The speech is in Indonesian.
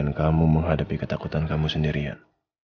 saya gak akan membiarkanmu menghadapi ketakutan kamu sendirian